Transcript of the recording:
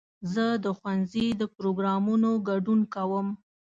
زه د ښوونځي د پروګرامونو ګډون کوم.